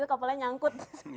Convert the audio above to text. itu kapalnya nyangkut